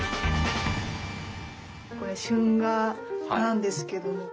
これ春画なんですけど。